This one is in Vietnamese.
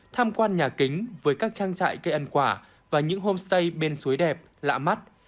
tham quan nhà kính với các trang trại cây ăn quả và những homestay bên suối đẹp lạ mắt